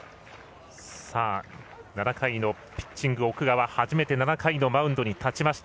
７回のピッチング、奥川初めて７回のマウンドに立ちました。